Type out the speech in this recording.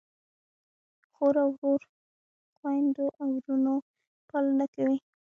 خور د وړو خویندو او وروڼو پالنه کوي.